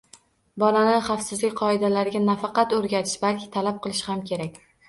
Bolani xavfsizlik qoidalariga nafaqat o‘rgatish, balki talab ham qilish kerak.